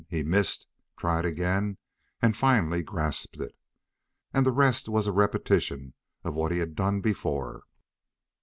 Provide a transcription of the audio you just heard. He missed, tried again, and finally grasped it. And the rest was a repetition of what had been done before.